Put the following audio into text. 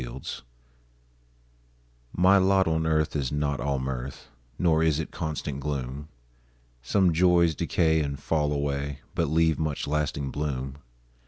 MY LOT My lot on earth is not all mirth, Nor is it constant gloom; Some joys decay and fall away, But leave much lasting bloom.